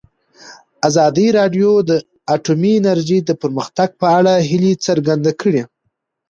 ازادي راډیو د اټومي انرژي د پرمختګ په اړه هیله څرګنده کړې.